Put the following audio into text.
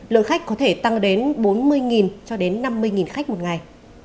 lượng khách có thể tăng đến bốn mươi cho đến năm mươi khách một ngày